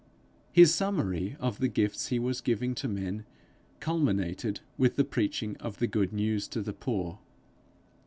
His summary of the gifts he was giving to men, culminated with the preaching of the good news to the poor.